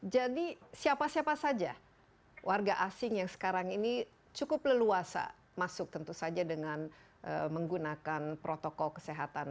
jadi siapa siapa saja warga asing yang sekarang ini cukup leluasa masuk tentu saja dengan menggunakan protokol kesehatan